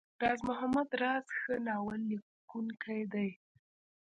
راز محمد راز ښه ناول ليکونکی دی.